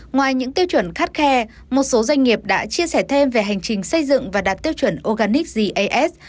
ngoài những tiêu chuẩn khắt khe một số doanh nghiệp đã chia sẻ thêm về hành trình xây dựng và đạt tiêu chuẩn organic gis